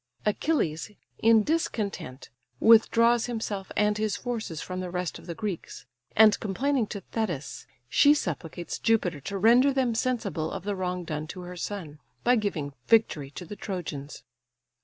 Achilles in discontent withdraws himself and his forces from the rest of the Greeks; and complaining to Thetis, she supplicates Jupiter to render them sensible of the wrong done to her son, by giving victory to the Trojans.